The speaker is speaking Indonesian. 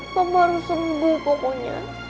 mama baru sembuh pokoknya